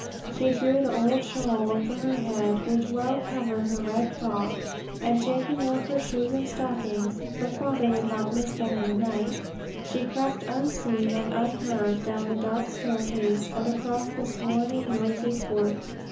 She drew the old shawl over her head, which well covered her red frock, and taking off her shoes and stockings for father would not miss them in the night she crept unseen and unheard down the dark staircase, and across the swarming, noisy court.